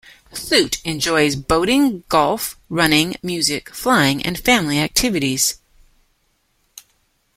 Thuot enjoys boating, golf, running, music, flying and family activities.